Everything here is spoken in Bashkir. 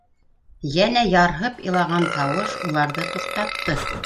Йәнә ярһып илаған тауыш уларҙы туҡтатты.